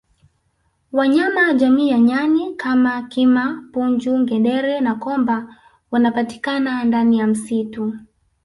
Wanyama jamii ya nyani kama kima punju ngedere na komba wanapatikana ndani ya msitu